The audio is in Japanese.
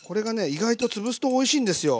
意外と潰すとおいしいんですよ。